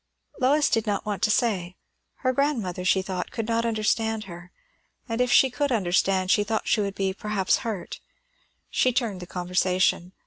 Lois did not want to say. Her grandmother, she thought, could not understand her; and if she could understand, she thought she would be perhaps hurt. She turned the conversation.